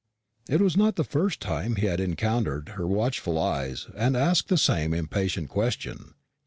It was not the first time he had encountered her watchful eyes and asked the same impatient question.